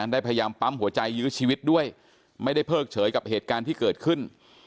ได้พยายามปั๊มหัวใจยื้อชีวิตด้วยไม่ได้เพิกเฉยกับเหตุการณ์ที่เกิดขึ้น